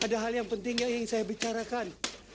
ada hal yang penting yang ingin saya bicarakan